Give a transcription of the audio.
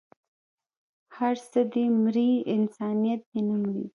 هر څه دې مري انسانيت دې نه مري